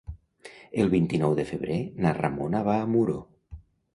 El vint-i-nou de febrer na Ramona va a Muro.